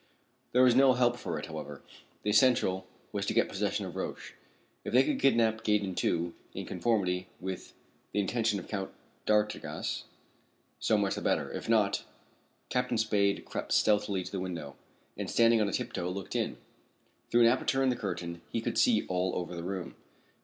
There was no help for it, however. The essential was to get possession of Roch. If they could kidnap Gaydon, too, in conformity with the intentions of the Count d'Artigas, so much the better. If not Captain Spade crept stealthily to the window, and standing on tiptoe, looked in. Through an aperture in the curtain he could see all over the room.